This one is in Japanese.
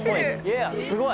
すごい！